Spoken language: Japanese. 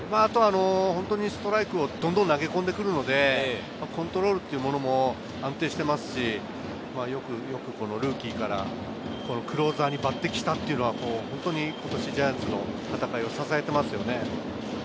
ストライクをどんどん投げ込んでくるので、コントロールも安定していますし、よくルーキーからクローザーに抜てきしたというのは、今年ジャイアンツの戦いを支えています。